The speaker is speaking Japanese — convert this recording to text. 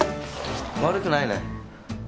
悪くないね。